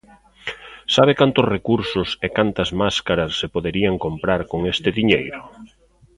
¿Sabe cantos recursos e cantas máscaras se poderían comprar con este diñeiro?